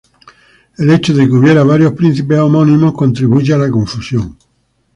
El hecho de que hubiera varios príncipes homónimos contribuye a la confusión.